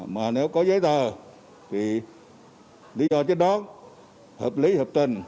mà nếu có giấy tờ thì lý do trên đó hợp lý hợp trình